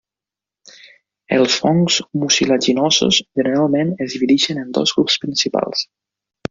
Els fongs mucilaginosos generalment es divideixen en dos grups principals.